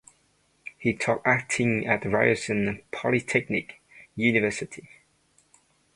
He taught acting at Ryerson Polytechnic University.